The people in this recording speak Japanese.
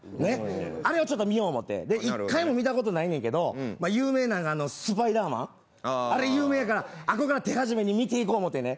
あれをちょっと見よう思って１回も見たことないねんけど、有名なスパイダーマン、あっこから手始めに見ていこうと思ってね。